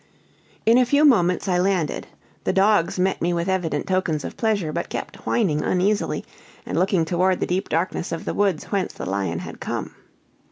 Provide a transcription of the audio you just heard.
In a few moments I landed; the dogs met me with evident tokens of pleasure, but kept whining uneasily, and looking toward the deep darkness of the woods whence the lion had come.